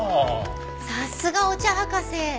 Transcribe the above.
さすがお茶博士。